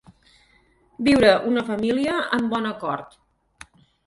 Viure, una família, en bon acord.